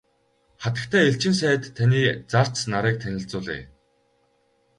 Хатагтай элчин сайд таны зарц нарыг танилцуулъя.